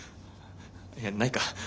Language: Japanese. いやないか。